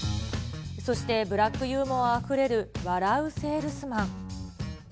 そしてブラックユーモアあふれる笑ゥせぇるすまん。